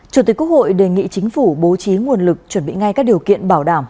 chủ tịch quốc hội đề nghị chính phủ bố trí nguồn lực chuẩn bị ngay các điều kiện bảo đảm